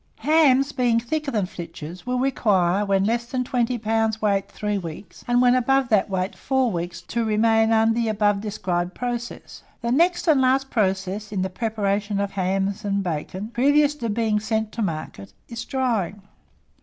Hams being thicker than flitches, will require, when less than 20 lbs. weight, 3 weeks; and when above that weight, 4 weeks to remain under the above described process. The next and last process in the preparation of bacon and hams, previous to being sent to market, is drying.